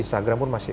instagram pun masih